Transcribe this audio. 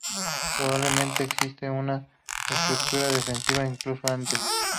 Probablemente existiese una estructura defensiva incluso antes.